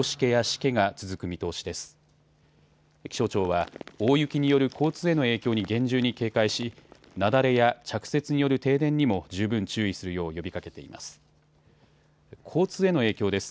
気象庁は、大雪による交通への影響に厳重に警戒し、雪崩や着雪による停電にも十分注意するよう呼びかけています。